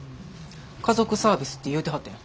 家族サービスって言うてはったやん。